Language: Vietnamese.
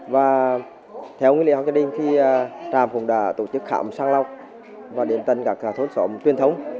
và theo nguyễn lý học trang đinh thì trạm cũng đã tổ chức khám sang lọc và đến tận các thôn xóm truyền thống